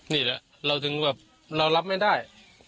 นี่แหละเราถึงแบบเรารับไม่ได้